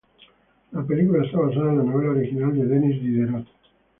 La película está basada en la novela original de Denis Diderot.